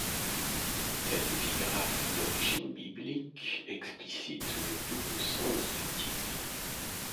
Cette épigraphe d'origine biblique explicite le double sens du titre.